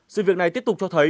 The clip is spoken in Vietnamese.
sự việc này tiếp tục cho thấy